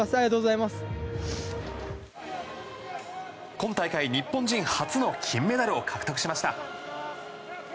今大会、日本人初の金メダルを獲得しました。